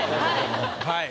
はい。